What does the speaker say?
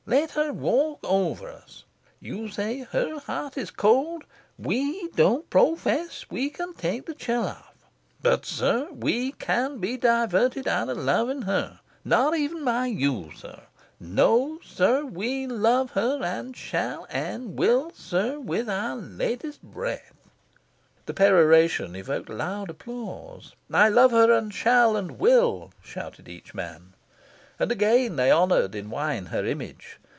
Let her walk over us. You say her heart is cold. We don't pro fess we can take the chill off. But, Sir, we can't be diverted out of loving her not even by you, Sir. No, Sir! We love her, and shall, and will, Sir, with our latest breath." This peroration evoked loud applause. "I love her, and shall, and will," shouted each man. And again they honoured in wine her image.